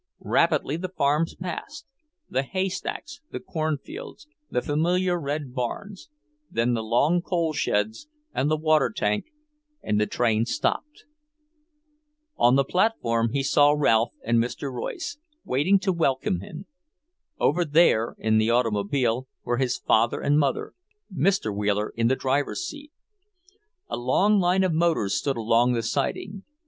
Rapidly the farms passed; the haystacks, the cornfields, the familiar red barns then the long coal sheds and the water tank, and the train stopped. On the platform he saw Ralph and Mr. Royce, waiting to welcome him. Over there, in the automobile, were his father and mother, Mr. Wheeler in the driver's seat. A line of motors stood along the siding.